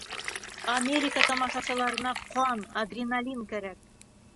— Америка тамашасыларына ҡан, адреналин кәрәк.